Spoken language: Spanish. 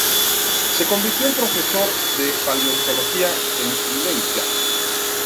Se convirtió en profesor de paleontología en Lieja.